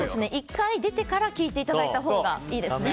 １回出てから聴いていたほうがいいですね。